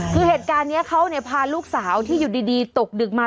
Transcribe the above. คือเหตุการณ์นี้เขาพาลูกสาวที่อยู่ดีตกดึกมา